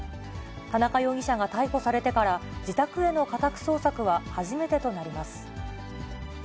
田中容疑者が逮捕されてから自宅への家宅捜索は初めてとなります。